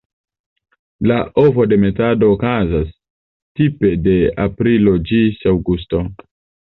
La ovodemetado okazas tipe de aprilo ĝis aŭgusto.